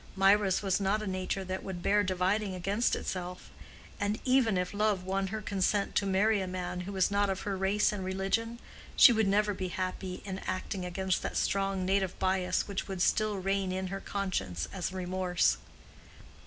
Mirah's was not a nature that would bear dividing against itself; and even if love won her consent to marry a man who was not of her race and religion, she would never be happy in acting against that strong native bias which would still reign in her conscience as remorse.